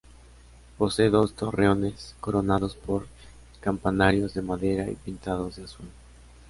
Posee dos torreones coronados por campanarios de madera y pintados de azul.